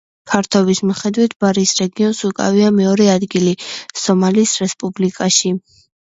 ფართობის მიხედვით ბარის რეგიონს უკავია მეორე ადგილი სომალის რესპუბლიკაში.